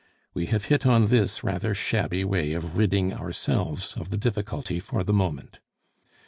We have hit on this rather shabby way of ridding ourselves of the difficulty for the moment.